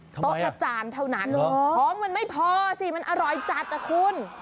โต๊ะละจานเท่านั้นของมันไม่พอสิมันอร่อยจัดอ่ะคุณ